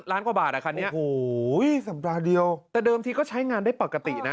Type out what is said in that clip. กว่าบาทอ่ะคันนี้โอ้โหสัปดาห์เดียวแต่เดิมทีก็ใช้งานได้ปกตินะ